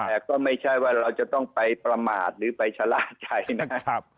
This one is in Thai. แต่ก็ไม่ใช่ว่าเราจะต้องไปประมาทหรือไปชะล่าใจนะครับ